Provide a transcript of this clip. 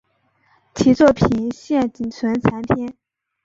其作品现仅存残篇。